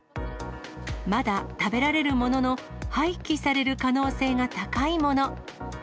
まだ食べられるものの、廃棄される可能性が高いもの。